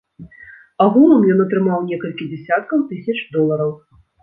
Агулам ён атрымаў некалькі дзясяткаў тысяч долараў.